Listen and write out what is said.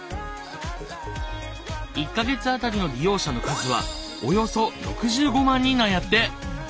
１か月当たりの利用者の数はおよそ６５万人なんやって！